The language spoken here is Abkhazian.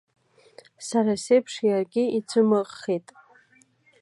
Сара сеиԥш иаргьы ицәымыӷхеит.